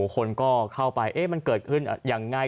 คนก็เข้าไปมันเกิดขึ้นยังไง